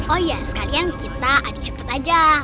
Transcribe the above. oh iya sekalian kita ada cepet aja